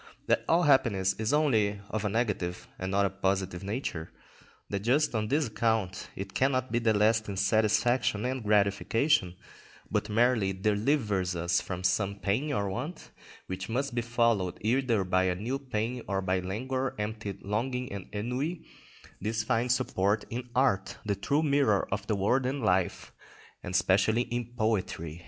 That all happiness is only of a negative not a positive nature, that just on this account it cannot be lasting satisfaction and gratification, but merely delivers us from some pain or want which must be followed either by a new pain, or by languor, empty longing, and ennui; this finds support in art, that true mirror of the world and life, and especially in poetry.